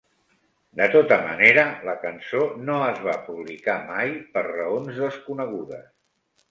De tota manera, la cançó no es va publicar mai per raons desconegudes.